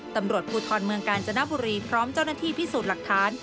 ตำรวจภูทรเมืองกาญจนบุรีพร้อมเจ้าหน้าที่พิสูจน์หลักฐาน